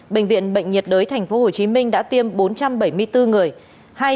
bệnh viện bệnh nhiệt đới thành phố hồ chí minh đã tiêm bốn trăm bảy mươi bốn người